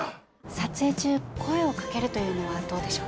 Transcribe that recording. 撮影中声をかけるというのはどうでしょうか？